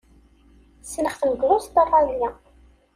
Ssneɣ-ten deg Ustṛalya.